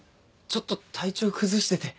ちょっと体調崩してて。